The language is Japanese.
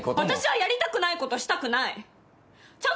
私はやりたくないこと、したくない。